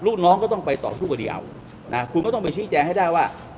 ลูกน้องก็ต้องไปต่อสู้คดีเอานะคุณก็ต้องไปชี้แจงให้ได้ว่า